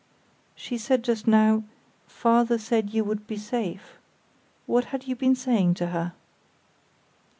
"She said just now, 'Father said you would be safe.' What had you been saying to her?"